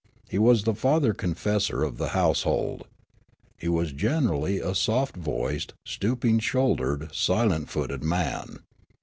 He was the father confessor of the household. He was generally a soft voiced, stooping shouldered, silent footed man.